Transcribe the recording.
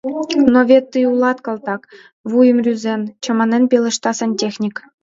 Но вет тый улат, калтак... — вуйым рӱзен, чаманен пелешта сантехник.